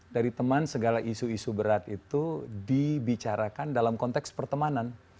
dari teman segala isu isu berat itu dibicarakan dalam konteks pertemanan